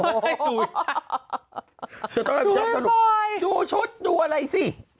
โอโหดูให้บังหนึ่งดูชุดดูอะไรสิ